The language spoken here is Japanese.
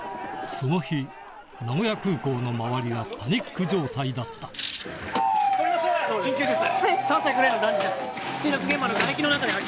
その日名古屋空港の周りはパニック状態だった緊急です！